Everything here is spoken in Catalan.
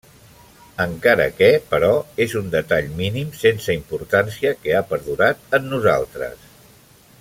Encara que, però, és un detall mínim sense importància que ha perdurat en nosaltres.